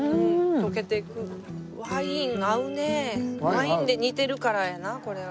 ワインで煮てるからやなこれ。